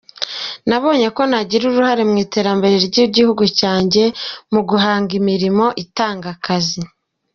Nabonye ko nagira uruhare mu iterambere ry’igihugu cyanjye mu guhanga imirimo itanga akazi.